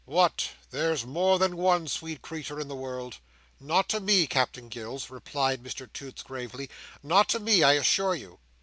"What! There's more than one sweet creetur in the world!" "Not to me, Captain Gills," replied Mr Toots gravely. "Not to me, I assure you.